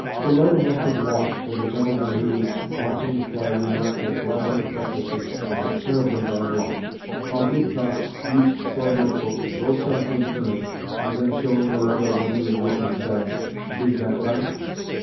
Woloda must have lost, for the gentleman who was watching the play remarked that Vladimir Petrovitch had terribly bad luck, while Dubkoff reached for a note book, wrote something in it, and then, showing Woloda what he had written, said: "Is that right?"